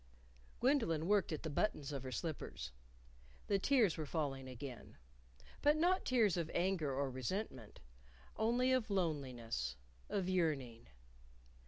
Gwendolyn worked at the buttons of her slippers. The tears were falling again; but not tears of anger or resentment only of loneliness, of yearning.